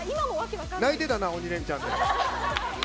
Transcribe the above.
泣いてたな「鬼レンチャン」で。